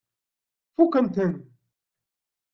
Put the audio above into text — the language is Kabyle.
Fukkent-ten?